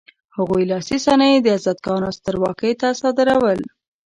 هغوی لاسي صنایع د ازتکانو سترواکۍ ته صادرول.